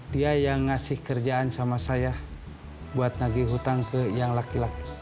dia yang memberikan kerjaan kepada saya untuk menagih hutang ke laki laki